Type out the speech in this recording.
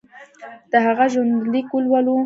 د هغه ژوندلیک ولولو.